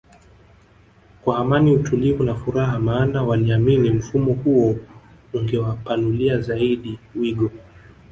kwa Amani utulivu na furaha maana waliamini mfumo huo ungewa panulia zaidi wigo